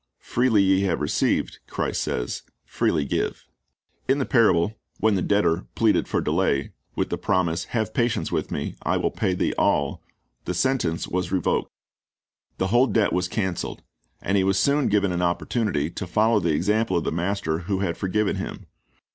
"Freely ye have received," Christ says, "freely give."^ In the parable, when the debtor pleaded for delay, with the promise, "Have patience with me, and I will pay thee all," the sentence was revoked. The whole debt was canceled. And he was soon given an opportunity to follow the example of the master who had forgiven him.